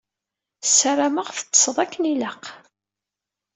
Sarameɣ teṭṭseḍ akken ilaq.